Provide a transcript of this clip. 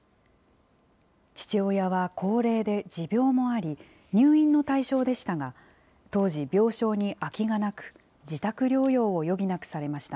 父親は高齢で持病もあり、入院の対象でしたが、当時、病床に空きがなく、自宅療養を余儀なくされました。